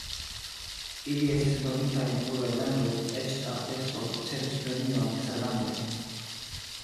Ili estis eldonitaj en pluraj landoj, eĉ la orkestro ricevis premiojn eksterlande.